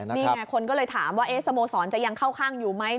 นี่ไงคนก็เลยถามว่าสโมสรจะยังเข้าข้างอยู่ไหม